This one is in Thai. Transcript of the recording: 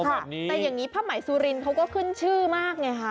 แต่อย่างนี้ผ้าไหมสุรินเขาก็ขึ้นชื่อมากไงคะ